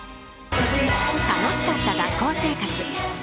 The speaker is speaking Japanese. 楽しかった学校生活。